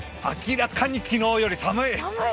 明らかに昨日より寒い！